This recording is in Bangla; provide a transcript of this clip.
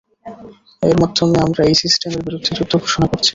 এর মাধ্যমে আমরা এই সিস্টেমের বিরুদ্ধে যুদ্ধ ঘোষণা করছি।